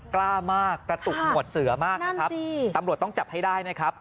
กล้ามากกระตุกหมวดเสือมากนะครับตำรวจต้องจับให้ได้นะครับ